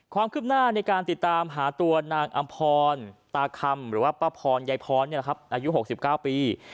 ความคืบหน้าในการติดตามหาตัวนางอำพรตาคำหรือว่าป้าพรยายพรอายุ๖๙ปี